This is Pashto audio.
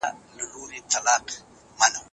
یتیمان یې کړې ښارونه په ماړه وږي کارګان کې